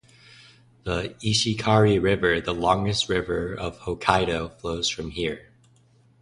The Ishikari River, the longest river of Hokkaido, flows from here.